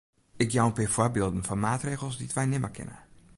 Ik jou in pear foarbylden fan maatregels dy't wy nimme kinne.